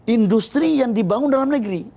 industri yang dibangun dalam negeri